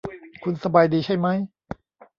คุณสบายดีใช่มั้ย ?